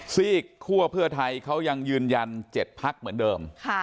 ซีกคั่วเพื่อไทยเขายังยืนยัน๗พักเหมือนเดิม